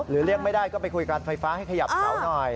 เรียกไม่ได้ก็ไปคุยการไฟฟ้าให้ขยับเสาหน่อย